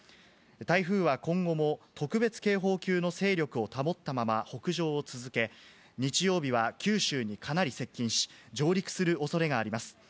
台風は今後も特別警報級の勢力を保ったまま北上を続け、日曜日は九州にかなり接近し、上陸するおそれがあります。